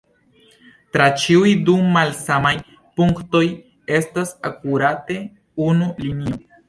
Tra ĉiuj du malsamaj punktoj estas akurate unu linio.